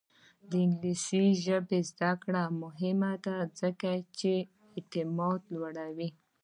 د انګلیسي ژبې زده کړه مهمه ده ځکه چې اعتماد لوړوي.